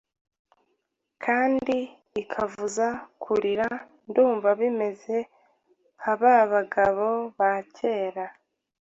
kandi ikavuza Kurira ndumva bimeze nka babagabo ba kera.